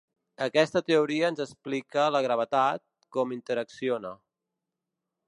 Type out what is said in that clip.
Aquesta teoria ens explica la gravetat, com interacciona.